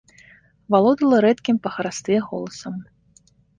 Валодала рэдкім па харастве голасам.